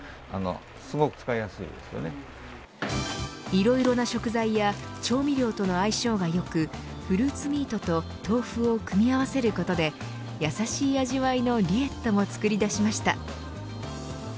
いろいろな食材や調味料との相性が良くフルーツミートと豆腐を組み合わせることでやさしい味わいのリエットも作り出しました。